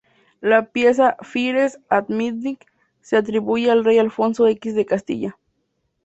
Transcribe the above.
La pieza "Fires at Midnight" se atribuye al rey Alfonso X de Castilla.